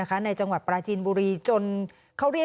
มันไม่สามารถใช้การได้